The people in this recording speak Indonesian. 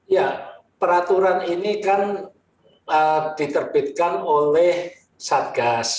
ya peraturan ini kan diterbitkan oleh satgas